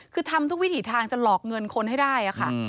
คือทำทุกวิถีทางจะหลอกเงินคนให้ได้ค่ะ